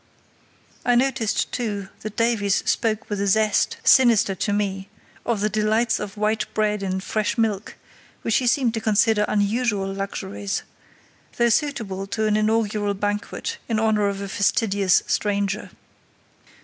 I noticed, too, that Davies spoke with a zest, sinister to me, of the delights of white bread and fresh milk, which he seemed to consider unusual luxuries, though suitable to an inaugural banquet in honour of a fastidious stranger.